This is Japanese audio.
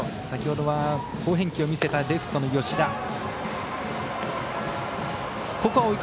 先ほどは好返球を見せたレフトの吉田。